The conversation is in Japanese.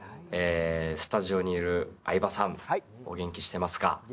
スタジオにいる相葉さん、お元気してますか？